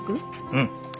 うん。